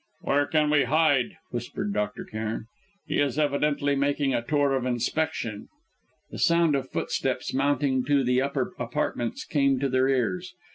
"Where can we hide?" whispered Dr. Cairn. "He is evidently making a tour of inspection." The sound of footsteps mounting to the upper apartments came to their ears.